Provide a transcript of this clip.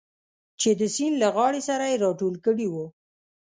چې د سیند له غاړې سره یې راټول کړي و.